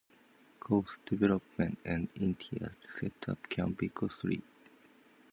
Course development and initial setup can be costly.